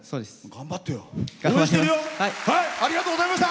頑張ってよ。